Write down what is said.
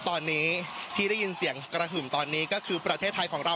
ตอนนี้จริงสียังเกราะหื่มตอนนี้ก็คือประเทศไทยของเรา